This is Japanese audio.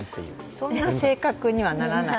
そんな性格にはならない。